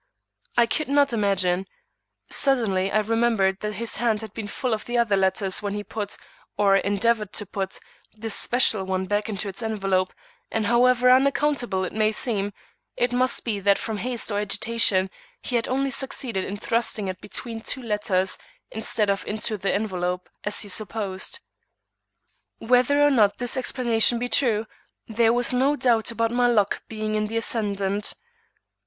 I could not imagine. Suddenly I remembered that his hand had been full of the other letters when he put, or endeavored to put, this special one back into its envelope, and however unaccountable it may seem, it must be that from haste or agitation he had only succeeded in thrusting it between two letters instead of into the envelope, as he supposed. Whether or not this explanation be true, there was no doubt about my luck being in the ascendant.